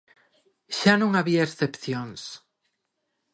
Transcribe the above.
Xa non había excepcións.